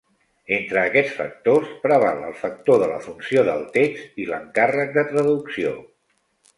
Entre aquests factors, preval el factor de la funció del text i l’encàrrec de traducció.